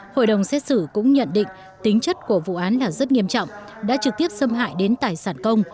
hội đồng xét xử cũng nhận định tính chất của vụ án là rất nghiêm trọng đã trực tiếp xâm hại đến tài sản công